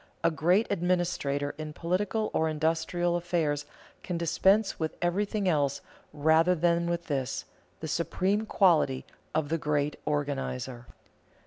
A great administrator in political or industrial affairs can dispense with everything else rather than with this, the supreme quality of the great organizer.